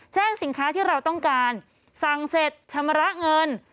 สินค้าที่เราต้องการสั่งเสร็จชำระเงิน